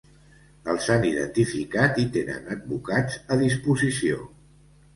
Els han identificat i tenen advocats a disposició.